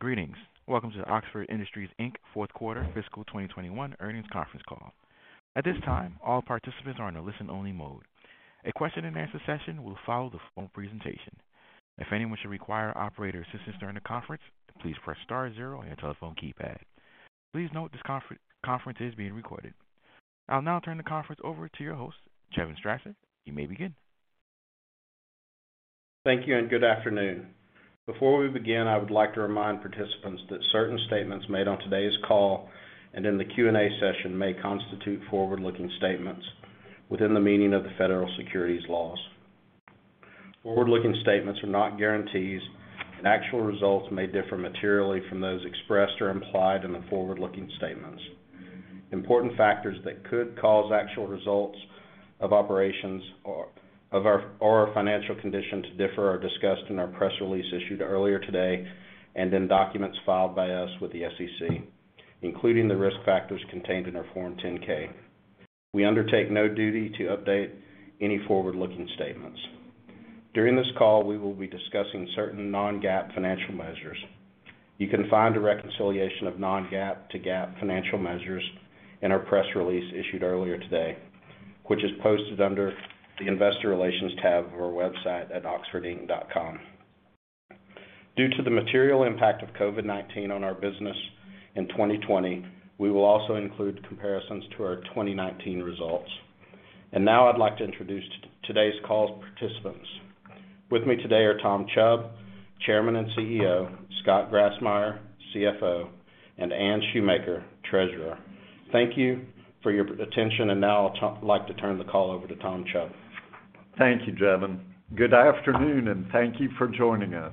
Greetings. Welcome to the Oxford Industries, Inc. Fourth Quarter Fiscal 2021 Earnings Conference Call. At this time, all participants are in a listen-only mode. A question-and-answer session will follow the phone presentation. If anyone should require operator assistance during the conference, please press star zero on your telephone keypad. Please note this conference is being recorded. I'll now turn the conference over to your host, Jevon Strasser. You may begin. Thank you and good afternoon. Before we begin, I would like to remind participants that certain statements made on today's call and in the Q&A session may constitute forward-looking statements within the meaning of the federal securities laws. Forward-looking statements are not guarantees, and actual results may differ materially from those expressed or implied in the forward-looking statements. Important factors that could cause actual results of operations or our financial condition to differ are discussed in our press release issued earlier today and in documents filed by us with the SEC, including the risk factors contained in our Form 10-K. We undertake no duty to update any forward-looking statements. During this call, we will be discussing certain non-GAAP financial measures. You can find a reconciliation of non-GAAP to GAAP financial measures in our press release issued earlier today, which is posted under the Investor Relations tab of our website at oxfordinc.com. Due to the material impact of COVID-19 on our business in 2020, we will also include comparisons to our 2019 results. Now I'd like to introduce today's call participants. With me today are Tom Chubb, Chairman and CEO, Scott Grassmyer, CFO, and Anne Shoemaker, Treasurer. Thank you for your attention, and now I'd like to turn the call over to Tom Chubb. Thank you, Jevon. Good afternoon, and thank you for joining us.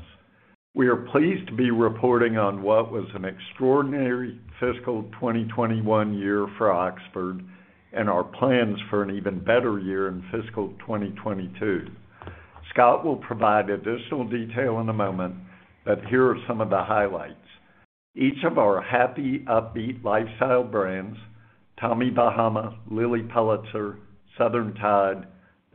We are pleased to be reporting on what was an extraordinary fiscal 2021 year for Oxford and our plans for an even better year in fiscal 2022. Scott will provide additional detail in a moment, but here are some of the highlights. Each of our happy, upbeat lifestyle brands, Tommy Bahama, Lilly Pulitzer, Southern Tide,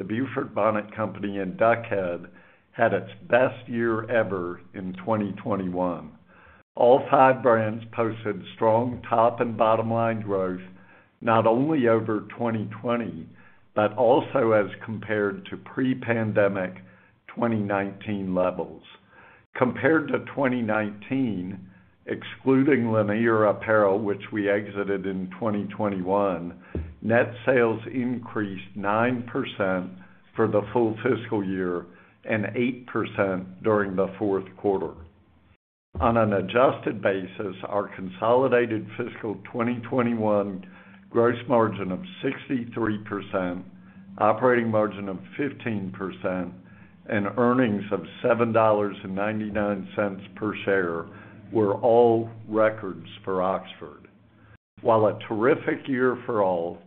The Beaufort Bonnet Company, and Duck Head, had its best year ever in 2021. All five brands posted strong top and bottom-line growth, not only over 2020, but also as compared to pre-pandemic 2019 levels. Compared to 2019, excluding Lanier Apparel, which we exited in 2021, net sales increased 9% for the full fiscal year and 8% during the fourth quarter. On an adjusted basis, our consolidated fiscal 2021 gross margin of 63%, operating margin of 15%, and earnings of $7.99 per share were all records for Oxford. While a terrific year for all,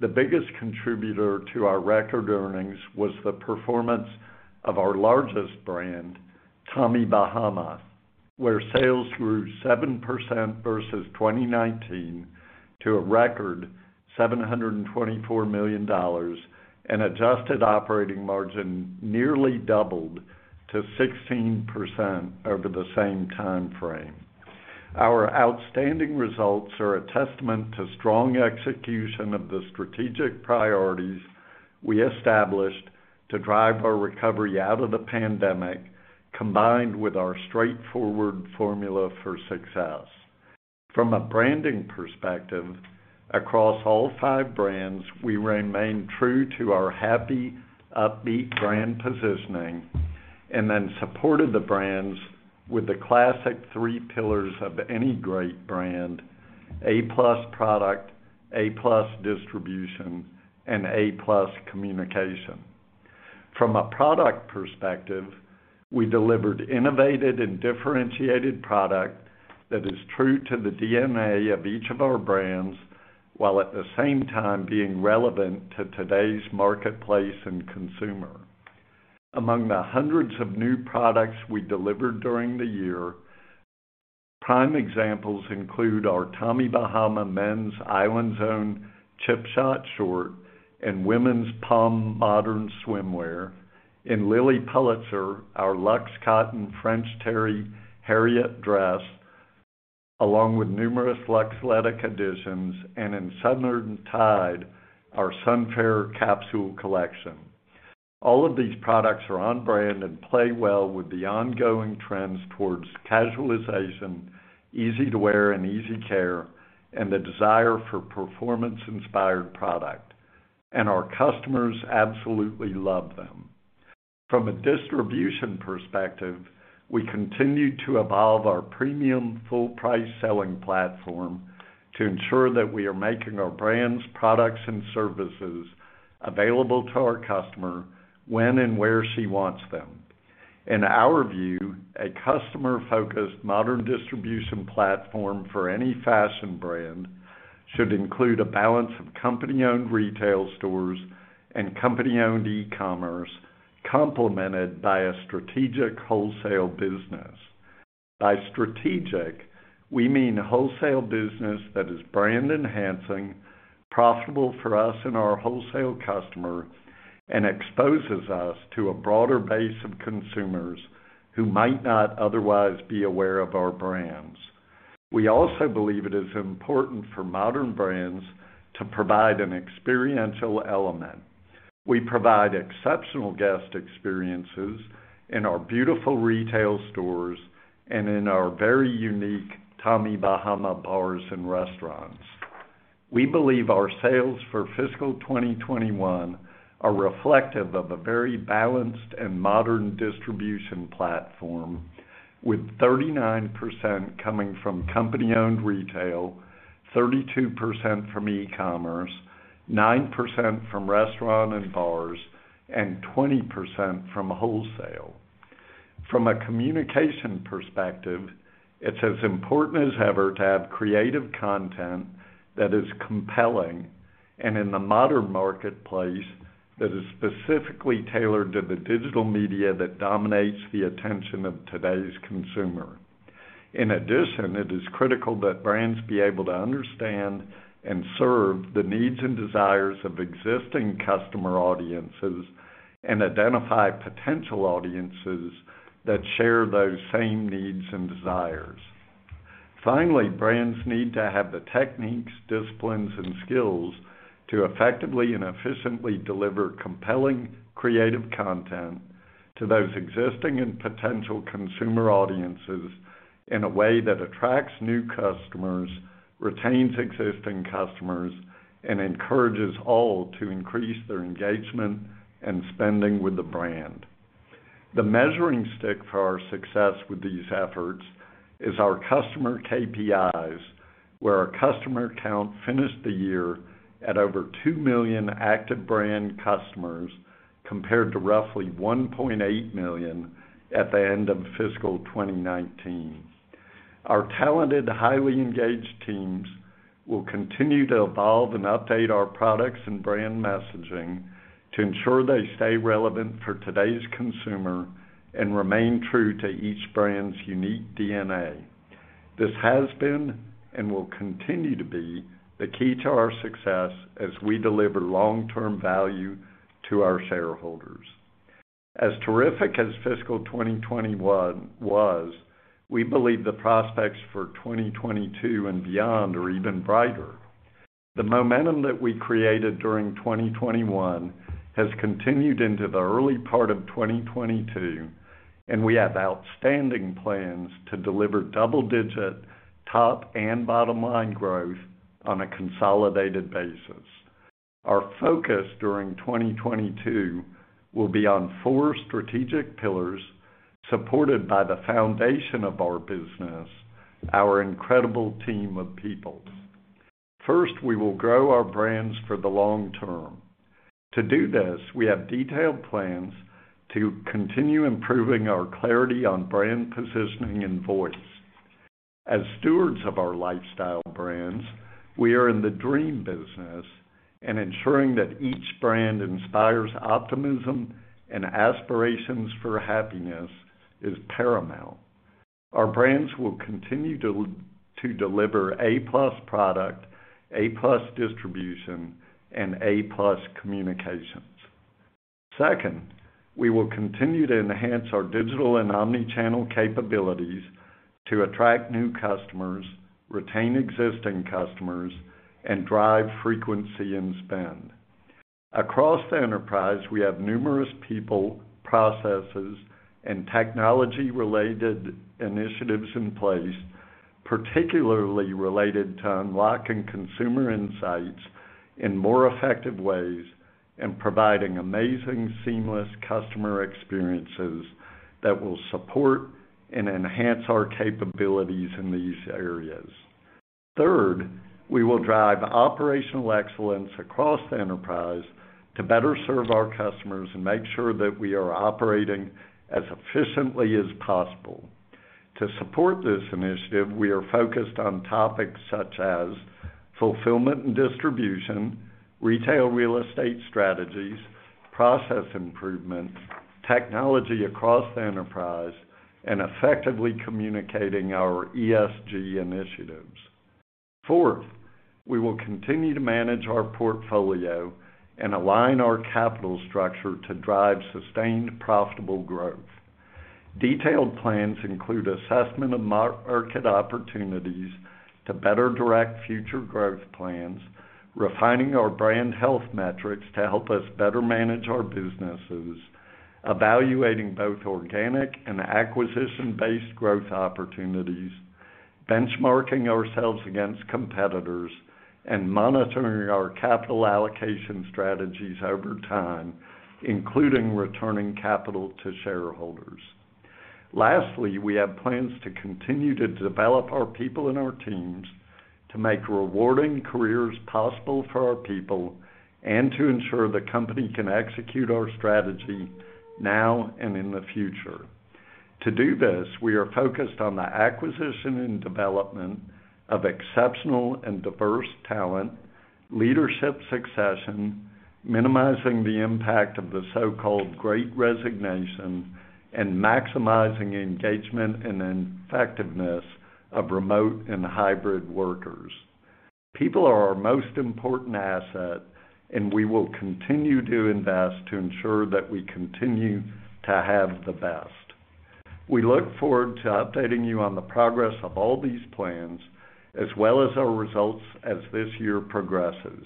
the biggest contributor to our record earnings was the performance of our largest brand, Tommy Bahama, where sales grew 7% versus 2019 to a record $724 million, and adjusted operating margin nearly doubled to 16% over the same timeframe. Our outstanding results are a testament to strong execution of the strategic priorities we established to drive our recovery out of the pandemic, combined with our straightforward formula for success. From a branding perspective, across all five brands, we remained true to our happy, upbeat brand positioning and then supported the brands with the classic three pillars of any great brand: A-plus product, A-plus distribution, and A-plus communication. From a product perspective, we delivered innovative and differentiated product that is true to the DNA of each of our brands, while at the same time being relevant to today's marketplace and consumer. Among the hundreds of new products we delivered during the year, prime examples include our Tommy Bahama men's Island Zone Chip Shot short and women's Palm modern swimwear, in Lilly Pulitzer our luxe cotton French Terry Harriet dress along with numerous luxe athletic additions, in Southern Tide our Sun Farer capsule collection. All of these products are on brand and play well with the ongoing trends towards casualization, easy to wear and easy care, and the desire for performance-inspired product. Our customers absolutely love them. From a distribution perspective, we continue to evolve our premium full price selling platform to ensure that we are making our brands, products, and services available to our customer when and where she wants them. In our view, a customer-focused modern distribution platform for any fashion brand should include a balance of company-owned retail stores and company-owned e-commerce, complemented by a strategic wholesale business. By strategic, we mean wholesale business that is brand enhancing, profitable for us and our wholesale customer, and exposes us to a broader base of consumers who might not otherwise be aware of our brands. We also believe it is important for modern brands to provide an experiential element. We provide exceptional guest experiences in our beautiful retail stores and in our very unique Tommy Bahama bars and restaurants. We believe our sales for fiscal 2021 are reflective of a very balanced and modern distribution platform, with 39% coming from company-owned retail, 32% from e-commerce, 9% from restaurants and bars, and 20% from wholesale. From a communication perspective, it's as important as ever to have creative content that is compelling, and in the modern marketplace, that is specifically tailored to the digital media that dominates the attention of today's consumer. In addition, it is critical that brands be able to understand and serve the needs and desires of existing customer audiences and identify potential audiences that share those same needs and desires. Finally, brands need to have the techniques, disciplines, and skills to effectively and efficiently deliver compelling creative content to those existing and potential consumer audiences in a way that attracts new customers, retains existing customers, and encourages all to increase their engagement and spending with the brand. The measuring stick for our success with these efforts is our customer KPIs, where our customer count finished the year at over 2 million active brand customers, compared to roughly 1.8 million at the end of fiscal 2019. Our talented, highly engaged teams will continue to evolve and update our products and brand messaging to ensure they stay relevant for today's consumer and remain true to each brand's unique DNA. This has been and will continue to be the key to our success as we deliver long-term value to our shareholders. As terrific as fiscal 2021 was, we believe the prospects for 2022 and beyond are even brighter. The momentum that we created during 2021 has continued into the early part of 2022, and we have outstanding plans to deliver double-digit top and bottom line growth on a consolidated basis. Our focus during 2022 will be on four strategic pillars supported by the foundation of our business, our incredible team of people. First, we will grow our brands for the long term. To do this, we have detailed plans to continue improving our clarity on brand positioning and voice. As stewards of our lifestyle brands, we are in the dream business, and ensuring that each brand inspires optimism and aspirations for happiness is paramount. Our brands will continue to deliver A-plus product, A-plus distribution, and A-plus communications. Second, we will continue to enhance our digital and omni-channel capabilities to attract new customers, retain existing customers, and drive frequency and spend. Across the enterprise, we have numerous people, processes, and technology-related initiatives in place, particularly related to unlocking consumer insights in more effective ways and providing amazing, seamless customer experiences that will support and enhance our capabilities in these areas. Third, we will drive operational excellence across the enterprise to better serve our customers and make sure that we are operating as efficiently as possible. To support this initiative, we are focused on topics such as fulfillment and distribution, retail real estate strategies, process improvement, technology across the enterprise, and effectively communicating our ESG initiatives. Fourth, we will continue to manage our portfolio and align our capital structure to drive sustained, profitable growth. Detailed plans include assessment of market opportunities to better direct future growth plans, refining our brand health metrics to help us better manage our businesses, evaluating both organic and acquisition-based growth opportunities, benchmarking ourselves against competitors, and monitoring our capital allocation strategies over time, including returning capital to shareholders. Lastly, we have plans to continue to develop our people and our teams to make rewarding careers possible for our people and to ensure the company can execute our strategy now and in the future. To do this, we are focused on the acquisition and development of exceptional and diverse talent, leadership succession, minimizing the impact of the so-called great resignation, and maximizing engagement and effectiveness of remote and hybrid workers. People are our most important asset, and we will continue to invest to ensure that we continue to have the best. We look forward to updating you on the progress of all these plans, as well as our results as this year progresses.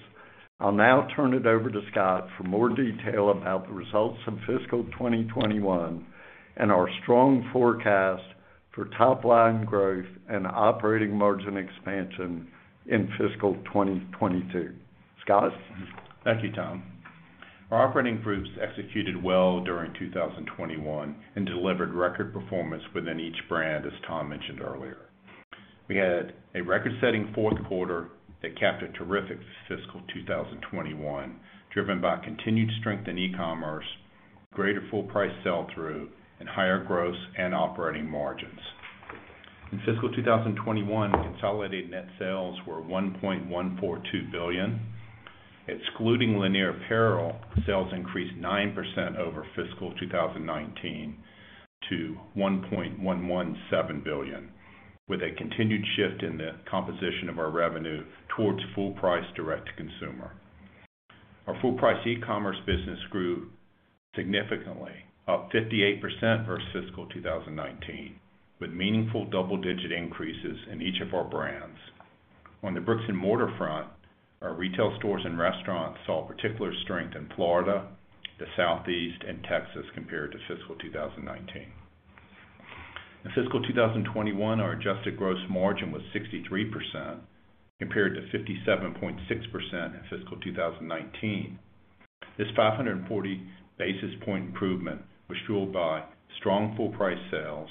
I'll now turn it over to Scott for more detail about the results of fiscal 2021, and our strong forecast for top line growth and operating margin expansion in fiscal 2022. Scott? Thank you, Tom. Our operating groups executed well during 2021 and delivered record performance within each brand, as Tom mentioned earlier. We had a record-setting fourth quarter that capped a terrific fiscal 2021, driven by continued strength in e-commerce, greater full price sell-through, and higher gross and operating margins. In fiscal 2021, consolidated net sales were $1.142 billion. Excluding Lanier Apparel, sales increased 9% over fiscal 2019 to $1.117 billion, with a continued shift in the composition of our revenue towards full price direct-to-consumer. Our full price e-commerce business grew significantly, up 58% versus fiscal 2019, with meaningful double-digit increases in each of our brands. On the brick-and-mortar front, our retail stores and restaurants saw particular strength in Florida, the Southeast and Texas compared to fiscal 2019. In fiscal 2021, our adjusted gross margin was 63% compared to 57.6% in fiscal 2019. This 540 basis point improvement was fueled by strong full price sales,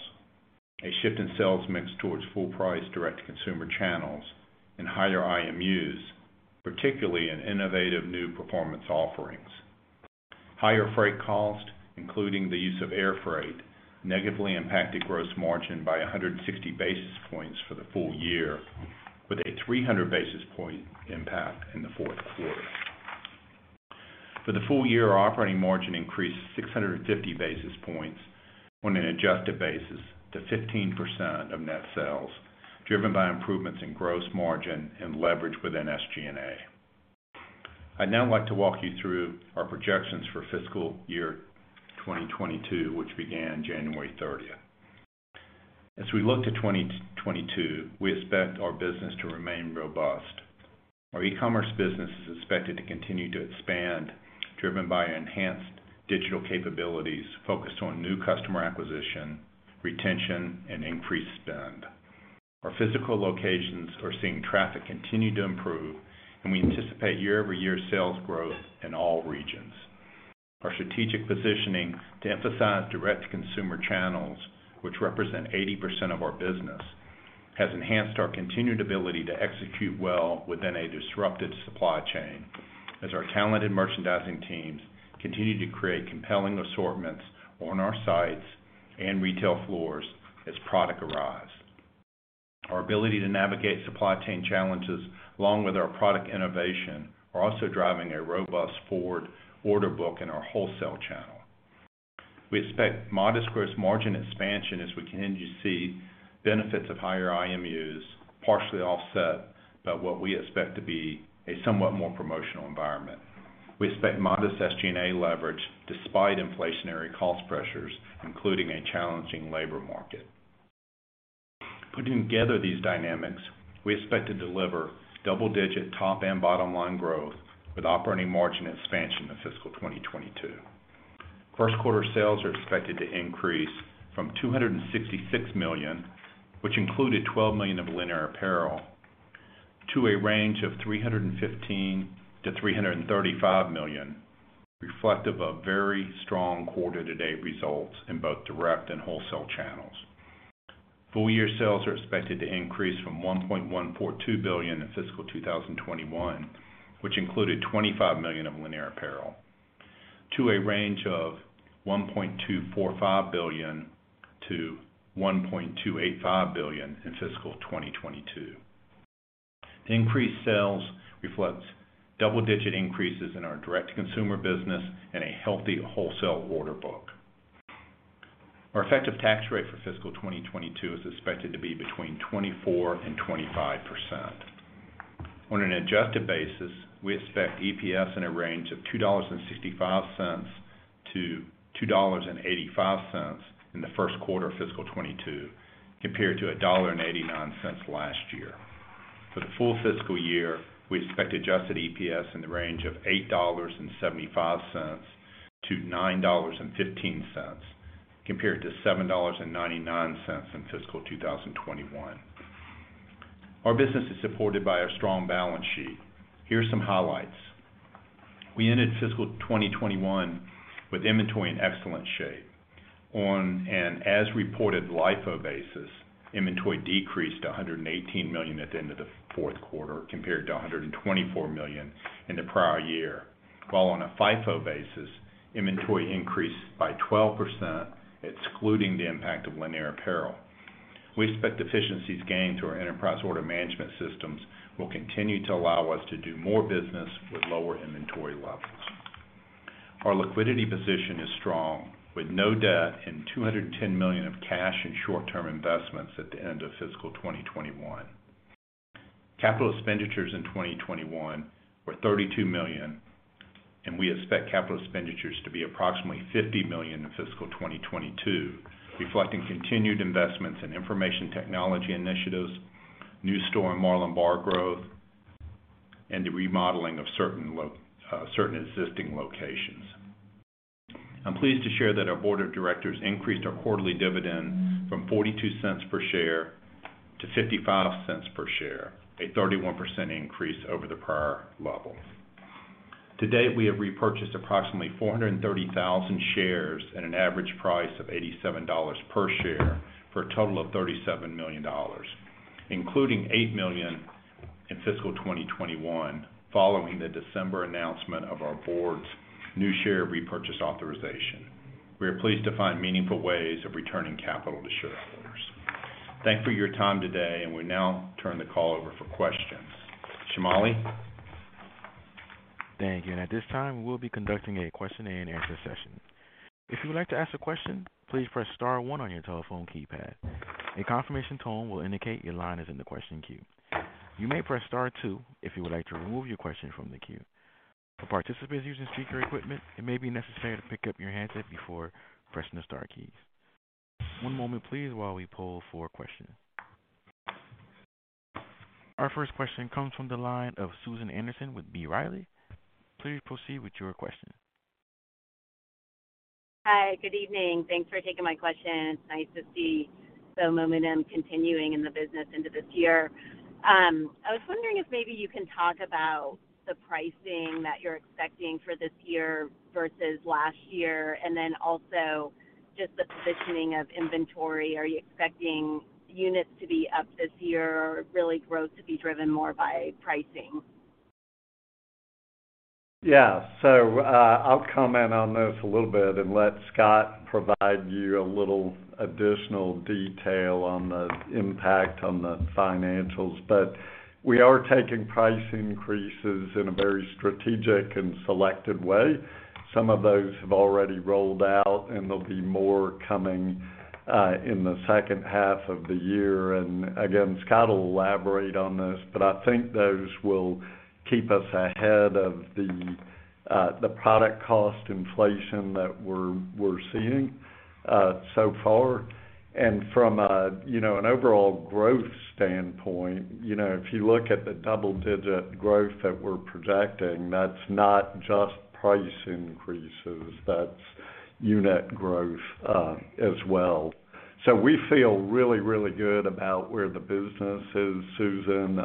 a shift in sales mix towards full price direct-to-consumer channels and higher IMUs, particularly in innovative new performance offerings. Higher freight costs, including the use of air freight, negatively impacted gross margin by 160 basis points for the full year with a 300 basis point impact in the fourth quarter. For the full year, our operating margin increased 650 basis points on an adjusted basis to 15% of net sales, driven by improvements in gross margin and leverage within SG&A. I'd now like to walk you through our projections for fiscal year 2022, which began January 30. As we look to 2022, we expect our business to remain robust. Our e-commerce business is expected to continue to expand, driven by enhanced digital capabilities focused on new customer acquisition, retention, and increased spend. Our physical locations are seeing traffic continue to improve and we anticipate year-over-year sales growth in all regions. Our strategic positioning to emphasize direct-to-consumer channels, which represent 80% of our business, has enhanced our continued ability to execute well within a disrupted supply chain as our talented merchandising teams continue to create compelling assortments on our sites and retail floors as product arrives. Our ability to navigate supply chain challenges, along with our product innovation, are also driving a robust forward order book in our wholesale channel. We expect modest gross margin expansion as we continue to see benefits of higher IMUs, partially offset by what we expect to be a somewhat more promotional environment. We expect modest SG&A leverage despite inflationary cost pressures, including a challenging labor market. Putting together these dynamics, we expect to deliver double-digit top and bottom line growth with operating margin expansion in fiscal 2022. First quarter sales are expected to increase from $266 million, which included $12 million of Lanier Apparel, to a range of $315 million-$335 million, reflective of very strong quarter to date results in both direct and wholesale channels. Full year sales are expected to increase from $1.142 billion in fiscal 2021, which included $25 million of Lanier Apparel, to a range of $1.245 billion-$1.285 billion in fiscal 2022. Increased sales reflects double-digit increases in our direct consumer business and a healthy wholesale order book. Our effective tax rate for fiscal 2022 is expected to be between 24%-25%. On an adjusted basis, we expect EPS in a range of $2.65-$2.85 in the first quarter of fiscal 2022, compared to $1.89 last year. For the full fiscal year, we expect adjusted EPS in the range of $8.75-$9.15, compared to $7.99 in fiscal 2021. Our business is supported by a strong balance sheet. Here's some highlights. We ended fiscal 2021 with inventory in excellent shape. On an as reported LIFO basis, inventory decreased to $118 million at the end of the fourth quarter compared to $124 million in the prior year. While on a FIFO basis, inventory increased by 12% excluding the impact of Lanier Apparel. We expect efficiencies gained through our enterprise order management systems will continue to allow us to do more business with lower inventory levels. Our liquidity position is strong with no debt and $210 million of cash and short-term investments at the end of fiscal 2021. Capital expenditures in 2021 were $32 million, and we expect capital expenditures to be approximately $50 million in fiscal 2022, reflecting continued investments in information technology initiatives, new store and Marlin Bar growth, and the remodeling of certain existing locations. I'm pleased to share that our board of directors increased our quarterly dividend from $0.42 per share to $0.55 per share, a 31% increase over the prior level. To date, we have repurchased approximately 430,000 shares at an average price of $87 per share for a total of $37 million, including $8 million in fiscal 2021 following the December announcement of our board's new share repurchase authorization. We are pleased to find meaningful ways of returning capital to shareholders. Thank you for your time today, and we now turn the call over for questions. Shamali? Thank you. At this time, we'll be conducting a question-and-answer session. If you would like to ask a question, please press star one on your telephone keypad. A confirmation tone will indicate your line is in the question queue. You may press star two if you would like to remove your question from the queue. For participants using speaker equipment, it may be necessary to pick up your handset before pressing the star keys. One moment please while we pull for questions. Our first question comes from the line of Susan Anderson with B. Riley. Please proceed with your question. Hi, good evening. Thanks for taking my question. It's nice to see the momentum continuing in the business into this year. I was wondering if maybe you can talk about the pricing that you're expecting for this year versus last year, and then also just the positioning of inventory. Are you expecting units to be up this year or really growth to be driven more by pricing? I'll comment on this a little bit and let Scott provide you a little additional detail on the impact on the financials. We are taking price increases in a very strategic and selected way. Some of those have already rolled out, and there'll be more coming in the second half of the year. Scott will elaborate on this, but I think those will keep us ahead of the product cost inflation that we're seeing so far. From a, you know, an overall growth standpoint, you know, if you look at the double-digit growth that we're projecting, that's not just price increases, that's unit growth as well. We feel really, really good about where the business is, Susan.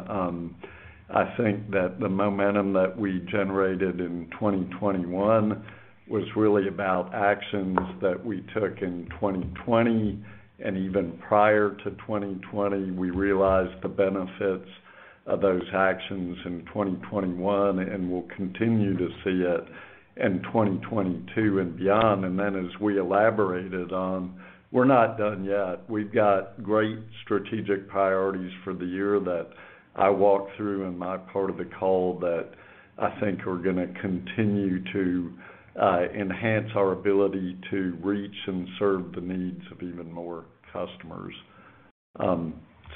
I think that the momentum that we generated in 2021 was really about actions that we took in 2020 and even prior to 2020. We realized the benefits of those actions in 2021, and we'll continue to see it in 2022 and beyond. As we elaborated on, we're not done yet. We've got great strategic priorities for the year that I walked through in my part of the call that I think are gonna continue to enhance our ability to reach and serve the needs of even more customers.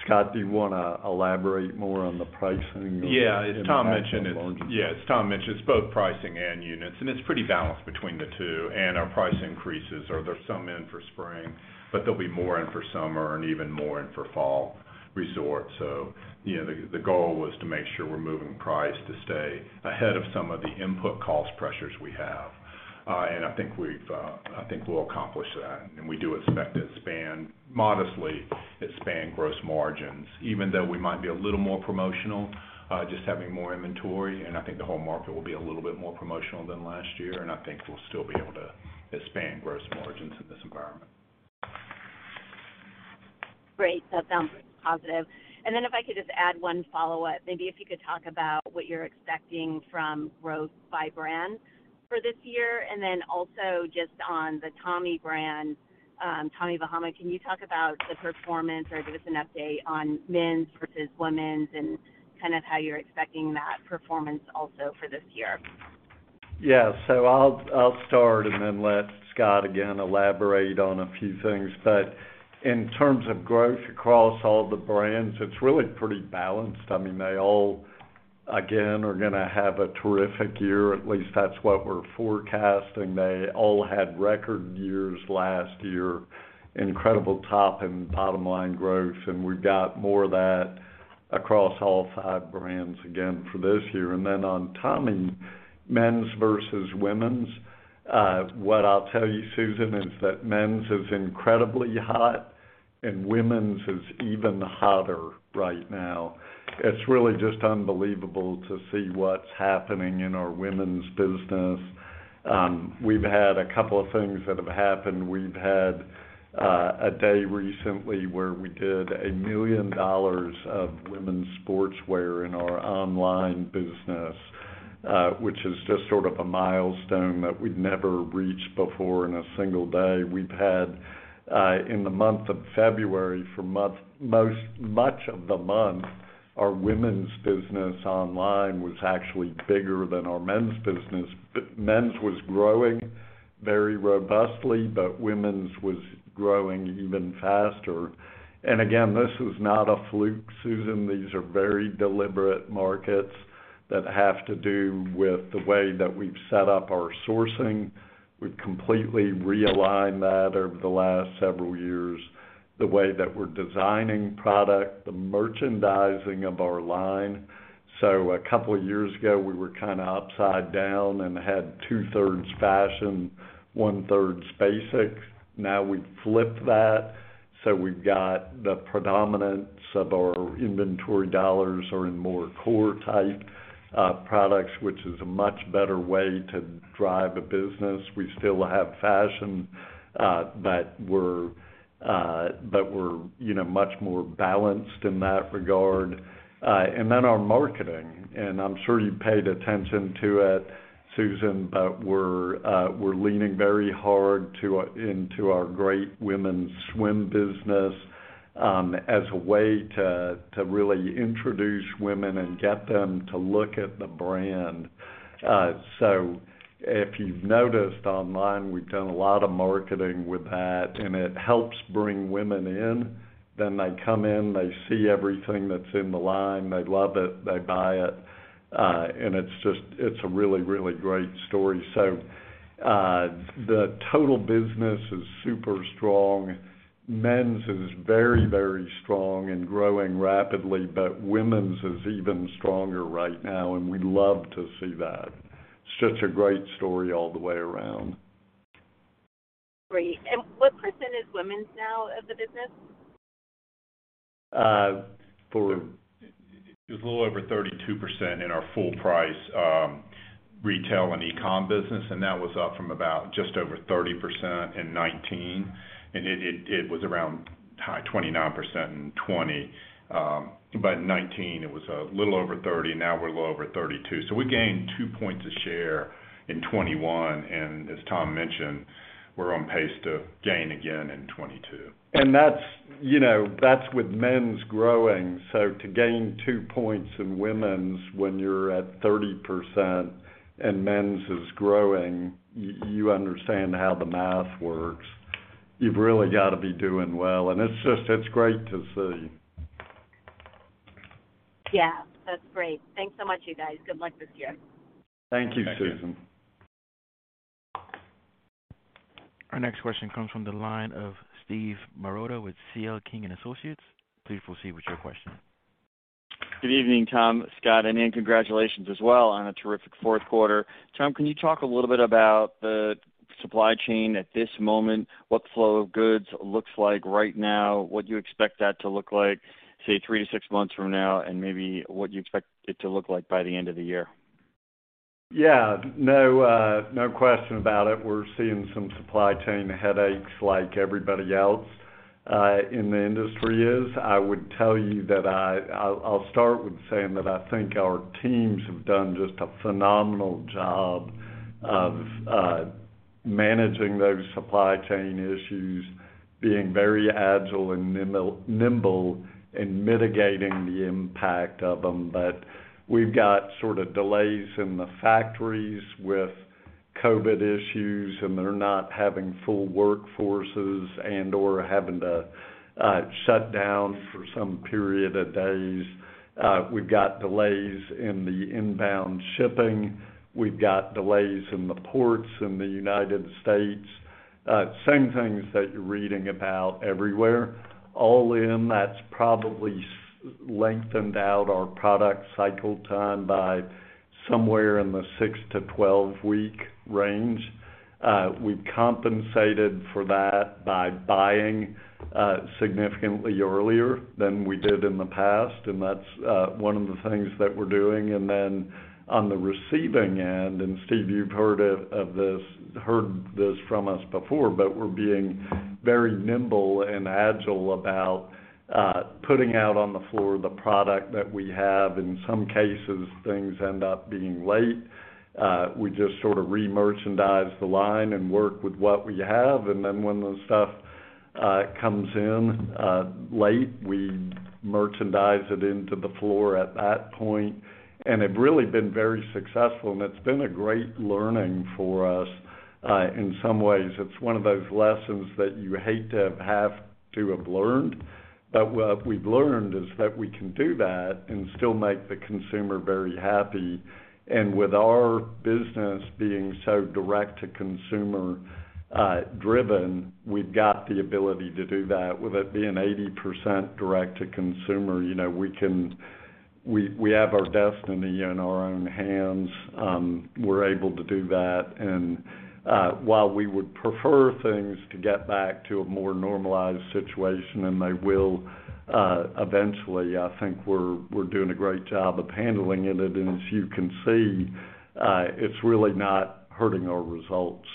Scott, do you wanna elaborate more on the pricing or- Yeah. As Tom mentioned, it's both pricing and units, and it's pretty balanced between the two. Our price increases are. There's some in for spring, but there'll be more in for summer and even more in for fall resort. You know, the goal was to make sure we're moving price to stay ahead of some of the input cost pressures we have. I think we'll accomplish that. We do expect it to expand modestly gross margins, even though we might be a little more promotional just having more inventory, and I think the whole market will be a little bit more promotional than last year, and I think we'll still be able to expand gross margins in this environment. Great. That sounds positive. Then if I could just add one follow-up, maybe if you could talk about what you're expecting from growth by brand for this year. Then also just on the Tommy brand, Tommy Bahama, can you talk about the performance or give us an update on men's versus women's and kind of how you're expecting that performance also for this year? I'll start and then let Scott again elaborate on a few things. In terms of growth across all the brands, it's really pretty balanced. I mean, they all again are gonna have a terrific year, at least that's what we're forecasting. They all had record years last year, incredible top and bottom line growth, and we've got more of that across all five brands again for this year. On Tommy men's versus women's, what I'll tell you, Susan, is that men's is incredibly hot and women's is even hotter right now. It's really just unbelievable to see what's happening in our women's business. We've had a couple of things that have happened. We've had a day recently where we did $1 million of women's sportswear in our online business, which is just sort of a milestone that we'd never reached before in a single day. We've had in the month of February, for much of the month, our women's business online was actually bigger than our men's business, but men's was growing very robustly, but women's was growing even faster. Again, this was not a fluke, Susan, these are very deliberate markets that have to do with the way that we've set up our sourcing. We've completely realigned that over the last several years, the way that we're designing product, the merchandising of our line. A couple of years ago, we were kind of upside down and had two-thirds fashion, 1/3 basics. Now we've flipped that, so we've got the predominance of our inventory dollars are in more core-type products, which is a much better way to drive a business. We still have fashion, but we're, you know, much more balanced in that regard. Our marketing, and I'm sure you paid attention to it, Susan, but we're leaning very hard into our great women's swim business, as a way to really introduce women and get them to look at the brand. If you've noticed online, we've done a lot of marketing with that, and it helps bring women in. They come in, they see everything that's in the line. They love it, they buy it, and it's a really, really great story. The total business is super strong. Men's is very, very strong and growing rapidly, but Women's is even stronger right now, and we love to see that. It's such a great story all the way around. Great. What percentage is women's now of the business? Uh, for- It's a little over 32% in our full price, retail and e-com business, and that was up from about just over 30% in 2019. It was around high 29% in 2020. In 2019 it was a little over 30%, now we're a little over 32%. We gained 2 points of share in 2021. As Tom mentioned, we're on pace to gain again in 2022. That's, you know, that's with men's growing. To gain 2 points in women's when you're at 30% and men's is growing, you understand how the math works. You've really got to be doing well. It's just, it's great to see. Yeah. That's great. Thanks so much, you guys. Good luck this year. Thank you, Susan. Thank you. Our next question comes from the line of Steve Marotta with CL King & Associates. Please proceed with your question. Good evening, Tom, Scott. Congratulations as well on a terrific fourth quarter. Tom, can you talk a little bit about the supply chain at this moment, what the flow of goods looks like right now, what you expect that to look like, say, three-six months from now, and maybe what you expect it to look like by the end of the year? Yeah. No, no question about it. We're seeing some supply chain headaches like everybody else in the industry is. I would tell you that I'll start with saying that I think our teams have done just a phenomenal job of managing those supply chain issues, being very agile and nimble in mitigating the impact of them. But we've got sort of delays in the factories with COVID issues, and they're not having full workforces and/or having to shut down for some period of days. We've got delays in the inbound shipping. We've got delays in the ports in the United States. Same things that you're reading about everywhere. All in, that's probably lengthened out our product cycle time by somewhere in the six-12-week range. We've compensated for that by buying significantly earlier than we did in the past, and that's one of the things that we're doing. Then on the receiving end, and Steve, you've heard this from us before, but we're being very nimble and agile about putting out on the floor the product that we have. In some cases, things end up being late. We just sort of remerchandise the line and work with what we have. Then when the stuff comes in late, we merchandise it into the floor at that point. It really been very successful, and it's been a great learning for us in some ways. It's one of those lessons that you hate to have to have learned. What we've learned is that we can do that and still make the consumer very happy. With our business being so direct-to-consumer driven, we've got the ability to do that. With it being 80% direct-to-consumer, we have our destiny in our own hands. We're able to do that while we would prefer things to get back to a more normalized situation, and they will eventually. I think we're doing a great job of handling it. As you can see, it's really not hurting our results.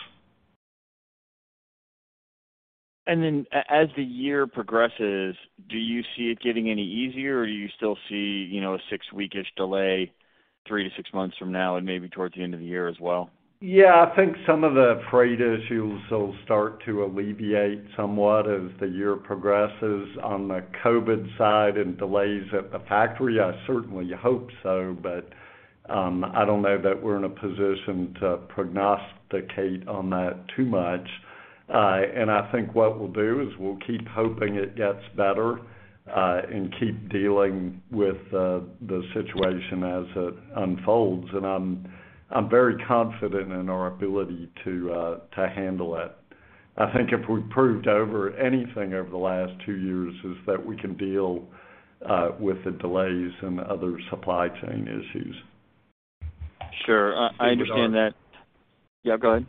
as the year progresses, do you see it getting any easier, or you still see, you know, a six-week-ish delay three-six months from now and maybe towards the end of the year as well? Yeah. I think some of the freight issues will start to alleviate somewhat as the year progresses. On the COVID side and delays at the factory, I certainly hope so, but I don't know that we're in a position to prognosticate on that too much. I think what we'll do is we'll keep hoping it gets better and keep dealing with the situation as it unfolds. I'm very confident in our ability to handle it. I think if we've proved anything over the last two years is that we can deal with the delays and other supply chain issues. Sure. I understand that. Yeah, go ahead.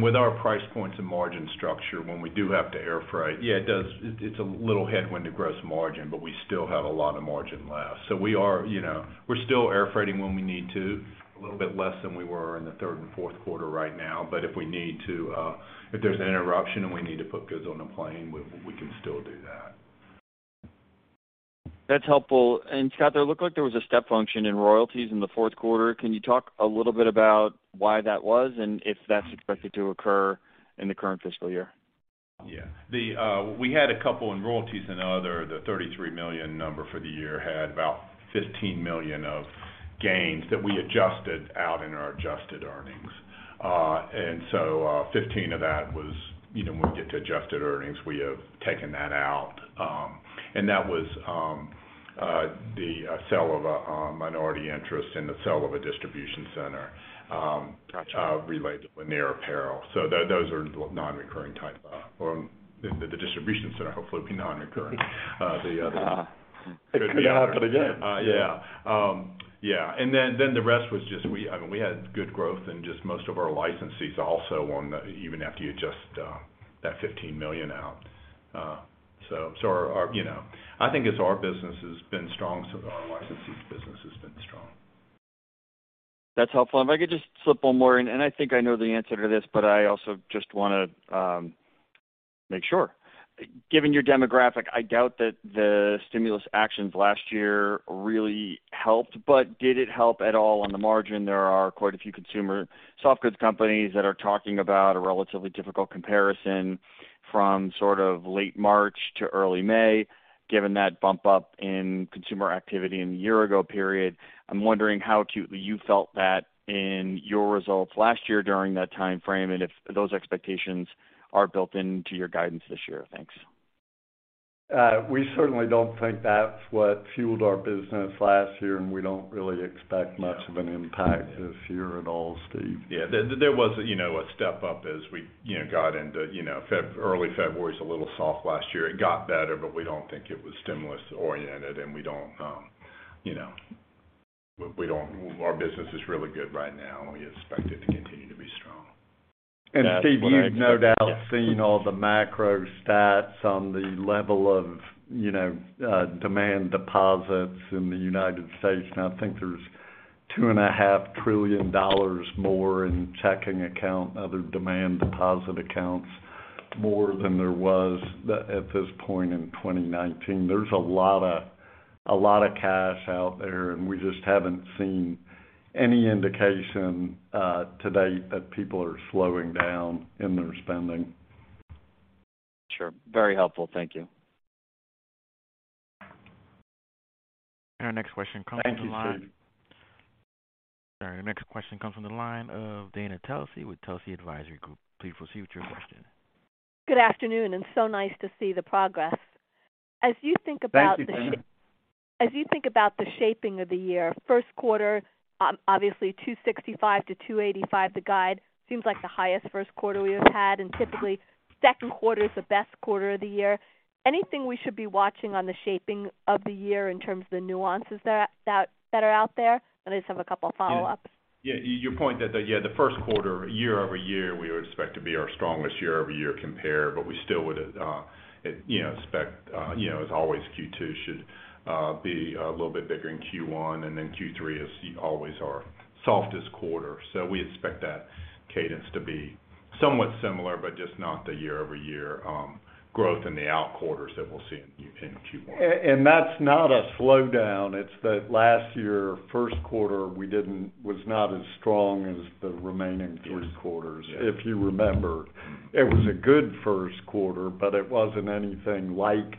With our price points and margin structure, when we do have to air freight, it does—it's a little headwind to gross margin, but we still have a lot of margin left. We are, you know, we're still air freighting when we need to. A little bit less than we were in the third and fourth quarter right now. If we need to, if there's an interruption and we need to put goods on a plane, we can still do that. That's helpful. Scott, that looked like there was a step function in royalties in the fourth quarter. Can you talk a little bit about why that was and if that's expected to occur in the current fiscal year? Yeah. We had a couple in royalties and other. The $33 million number for the year had about $15 million of gains that we adjusted out in our adjusted earnings. 15 of that was, you know, when we get to adjusted earnings, we have taken that out. That was the sale of a minority interest and the sale of a distribution center. Gotcha related to Lanier Apparel. Those are non-recurring type of, the distributions that are hopefully be non-recurring. The other It could happen again. Then the rest was just I mean, we had good growth in just most of our licensees also even after you adjust that $15 million out. So our you know I think as our business has been strong, so have our licensees' business has been strong. That's helpful. If I could just slip one more in, and I think I know the answer to this, but I also just wanna make sure. Given your demographic, I doubt that the stimulus actions last year really helped, but did it help at all on the margin? There are quite a few consumer soft goods companies that are talking about a relatively difficult comparison from sort of late March to early May, given that bump up in consumer activity in the year ago period. I'm wondering how acutely you felt that in your results last year during that timeframe, and if those expectations are built into your guidance this year. Thanks. We certainly don't think that's what fueled our business last year, and we don't really expect much of an impact this year at all, Steve. Yeah. There was, you know, a step up as we, you know, got into, you know, early February was a little soft last year. It got better, but we don't think it was stimulus oriented. Our business is really good right now, and we expect it to continue to be strong. Steve, you've no doubt seen all the macro stats on the level of, you know, demand deposits in the United States. I think there's $2.5 trillion more in checking account, other demand deposit accounts, more than there was at this point in 2019. There's a lot of cash out there, and we just haven't seen any indication to date that people are slowing down in their spending. Sure. Very helpful. Thank you. Our next question comes from the line. Thank you, Steve. Sorry. Our next question comes from the line of Dana Telsey with Telsey Advisory Group. Please proceed with your question. Good afternoon, nice to see the progress. Thank you, Dana. As you think about the shaping of the year, first quarter, obviously $2.65-$2.85, the guide seems like the highest first quarter we have had, and typically second quarter is the best quarter of the year. Anything we should be watching on the shaping of the year in terms of the nuances that are out there? I just have a couple follow-ups. Yeah. Your point that the first quarter year-over-year, we would expect to be our strongest year-over-year compare, but we still would, you know, expect, you know, as always, Q2 should be a little bit bigger than Q1, and then Q3 is always our softest quarter. We expect that cadence to be somewhat similar, but just not the year-over-year growth in the out quarters that we'll see in Q1. That's not a slowdown. It's that last year, first quarter, was not as strong as the remaining three quarters. Yes. Yeah. If you remember, it was a good first quarter, but it wasn't anything like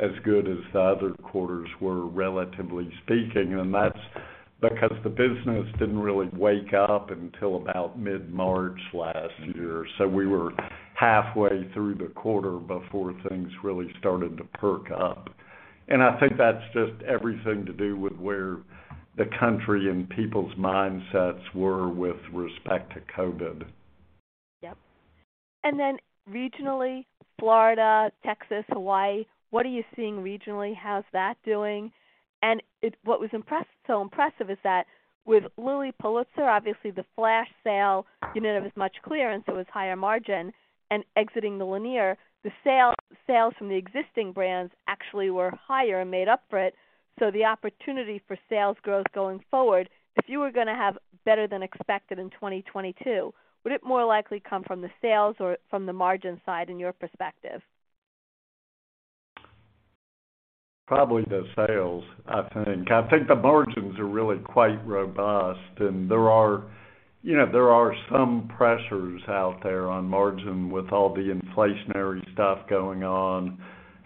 as good as the other quarters were relatively speaking, and that's because the business didn't really wake up until about mid-March last year. We were halfway through the quarter before things really started to perk up. I think that's just everything to do with where the country and people's mindsets were with respect to COVID. Yep. Then regionally, Florida, Texas, Hawaii, what are you seeing regionally? How's that doing? What was impressive is that with Lilly Pulitzer, obviously the flash sale, you know, there was much clearance, so it was higher margin. Exiting the Lanier, the sales from the existing brands actually were higher and made up for it. The opportunity for sales growth going forward, if you were gonna have better than expected in 2022, would it more likely come from the sales or from the margin side, in your perspective? Probably the sales, I think. I think the margins are really quite robust. There are, you know, some pressures out there on margin with all the inflationary stuff going on,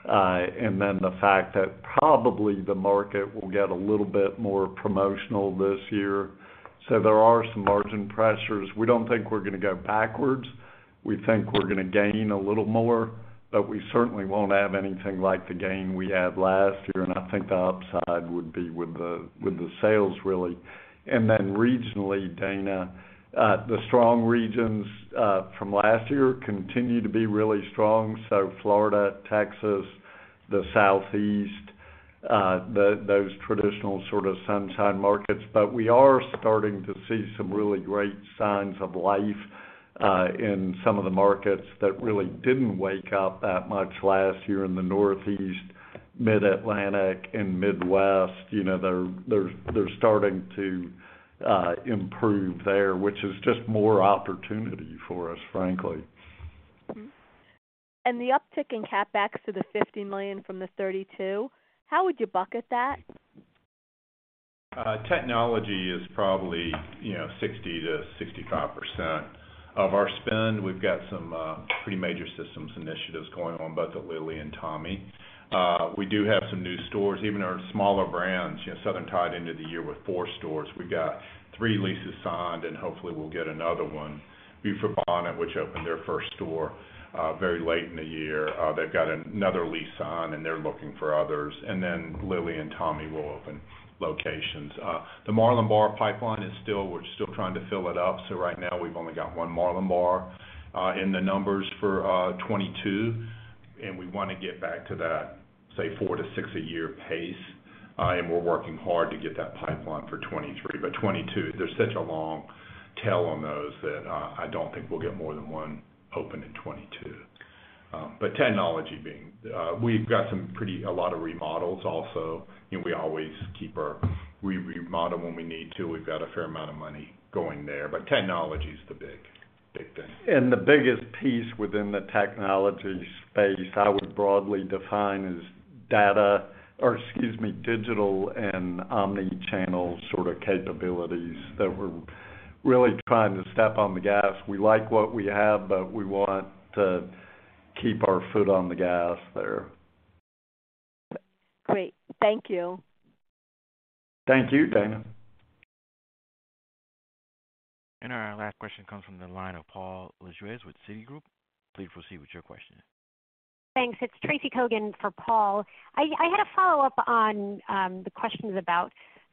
and then the fact that probably the market will get a little bit more promotional this year. There are some margin pressures. We don't think we're gonna go backwards. We think we're gonna gain a little more, but we certainly won't have anything like the gain we had last year. I think the upside would be with the, with the sales, really. Then regionally, Dana, the strong regions from last year continue to be really strong. Florida, Texas, the Southeast, those traditional sort of sunshine markets. We are starting to see some really great signs of life in some of the markets that really didn't wake up that much last year in the Northeast, mid-Atlantic and Midwest. You know, they're starting to improve there, which is just more opportunity for us, frankly. The uptick in CapEx to the $50 million from the $32 million, how would you bucket that? Technology is probably, you know, 60%-65% of our spend. We've got some pretty major systems initiatives going on, both at Lilly and Tommy. We do have some new stores. Even our smaller brands, you know, Southern Tide ended the year with four stores. We got three leases signed, and hopefully we'll get another one. Beaufort Bonnet, which opened their first store very late in the year, they've got another lease signed, and they're looking for others. Lilly and Tommy will open locations. The Marlin Bar pipeline is still. We're still trying to fill it up, so right now we've only got one Marlin Bar in the numbers for 2022. We wanna get back to that, say, four to six a year pace. We're working hard to get that pipeline for 2023. 2022, there's such a long tail on those that I don't think we'll get more than one open in 2022. Technology being, we've got a lot of remodels also. You know, we always remodel when we need to. We've got a fair amount of money going there. Technology is the big, big thing. The biggest piece within the technology space, I would broadly define as digital and omni-channel sort of capabilities that we're really trying to step on the gas. We like what we have, but we want to keep our foot on the gas there. Great. Thank you. Thank you, Dana. Our last question comes from the line of Paul Lejuez with Citigroup. Please proceed with your question. Thanks. It's Tracy Kogan for Paul. I had a follow-up on the questions about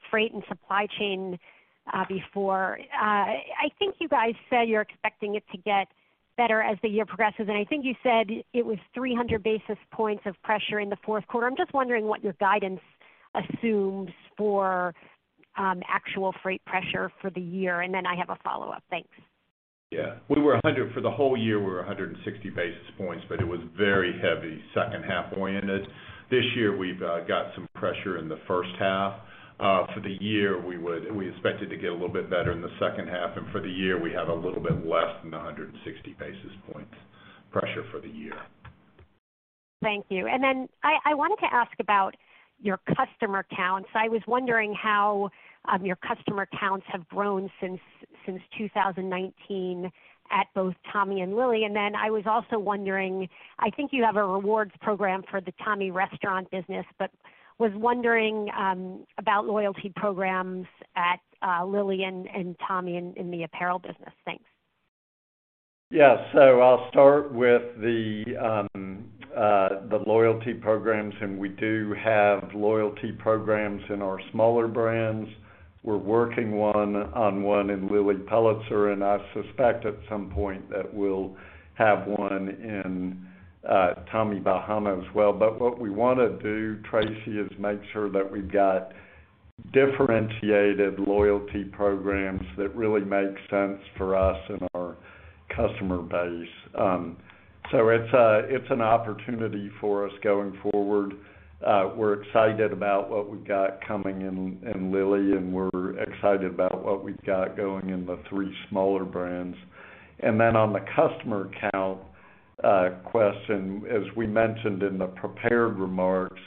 freight and supply chain before. I think you guys said you're expecting it to get better as the year progresses. I think you said it was 300 basis points of pressure in the fourth quarter. I'm just wondering what your guidance assumes for actual freight pressure for the year, and then I have a follow-up. Thanks. Yeah. For the whole year, we were 160 basis points, but it was very heavy second half oriented. This year we've got some pressure in the first half. For the year, we expect it to get a little bit better in the second half. For the year, we have a little bit less than 160 basis points pressure for the year. Thank you. I wanted to ask about your customer counts. I was wondering how your customer counts have grown since 2019 at both Tommy and Lilly. I was also wondering, I think you have a rewards program for the Tommy restaurant business, but was wondering about loyalty programs at Lilly and Tommy in the apparel business. Thanks. Yeah. I'll start with the loyalty programs, and we do have loyalty programs in our smaller brands. We're working on one in Lilly Pulitzer, and I suspect at some point that we'll have one in Tommy Bahama as well. What we wanna do, Tracy, is make sure that we've got differentiated loyalty programs that really make sense for us and our customer base. It's an opportunity for us going forward. We're excited about what we've got coming in Lilly, and we're excited about what we've got going in the three smaller brands. Then on the customer count question, as we mentioned in the prepared remarks,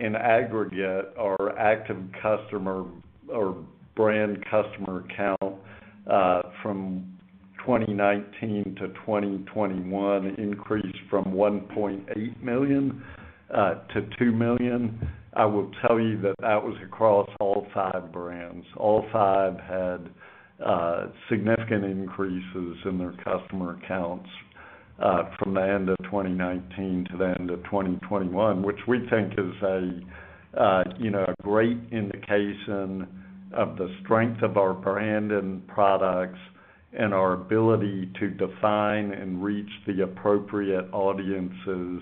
in aggregate, our active customer or brand customer count from 2019 to 2021 increased from 1.8 million to 2 million. I will tell you that that was across all five brands. All five had significant increases in their customer counts from the end of 2019 to the end of 2021, which we think is a you know a great indication of the strength of our brand and products and our ability to define and reach the appropriate audiences,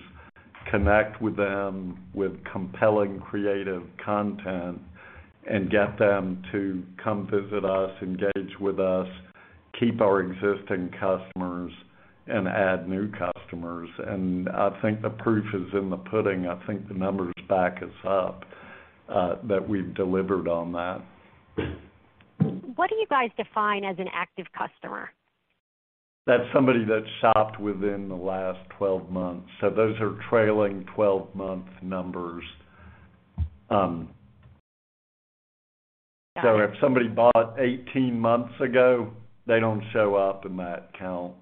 connect with them with compelling creative content, and get them to come visit us, engage with us, keep our existing customers, and add new customers. I think the proof is in the pudding. I think the numbers back us up that we've delivered on that. What do you guys define as an active customer? That's somebody that shopped within the last 12 months. Those are trailing 12-month numbers. Got it. If somebody bought 18 months ago, they don't show up in that count.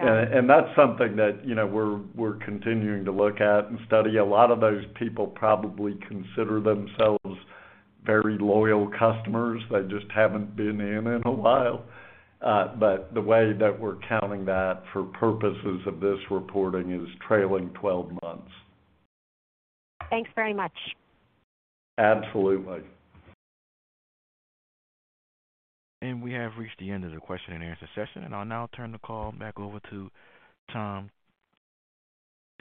Got it. That's something that, you know, we're continuing to look at and study. A lot of those people probably consider themselves very loyal customers. They just haven't been in a while. The way that we're counting that for purposes of this reporting is trailing 12 months. Thanks very much. Absolutely. We have reached the end of the question and answer session. I'll now turn the call back over to Tom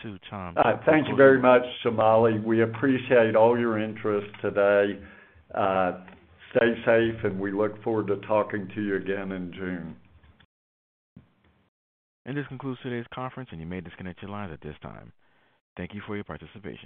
to provide closing remarks. Thank you very much, Shamali. We appreciate all your interest today. Stay safe, and we look forward to talking to you again in June. This concludes today's conference, and you may disconnect your lines at this time. Thank you for your participation.